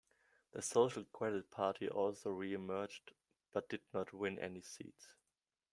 The Social Credit Party also re-emerged, but did not win any seats.